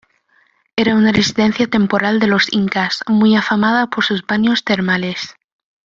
Era una residencia temporal de los incas, muy afamada por sus baños termales.